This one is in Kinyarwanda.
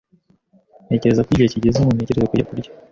Ntekereza ko igihe kigeze ngo ntekereze kujya kurya.